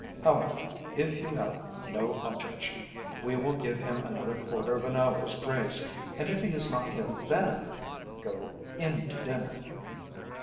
However, if you have no objection, we will give him another quarter of an hour's grace, and if he is not here then, go into dinner."